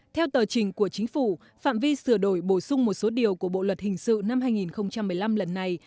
theo tờ trình của chính phủ phạm vi sửa đổi bổ sung một số điều của bộ luật hình sự năm hai nghìn một mươi năm lần này